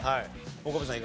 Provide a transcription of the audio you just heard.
岡部さん